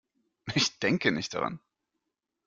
Ich denke nicht daran.